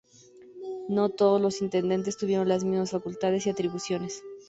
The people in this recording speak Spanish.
No todos los intendentes tuvieron las mismas facultades y atribuciones.